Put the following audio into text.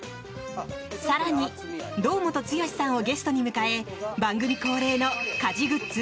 更に、堂本剛さんをゲストに迎え番組恒例の家事グッズ